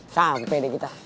sampai dek kita